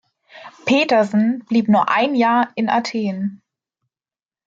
Petersen blieb nur ein Jahr in Athen.